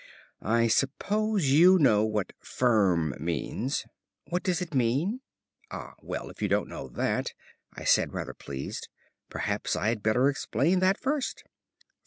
"I suppose you know what 'firm' means?" "What does it mean?" "Ah, well, if you don't know that," I said, rather pleased, "perhaps I had better explain that first.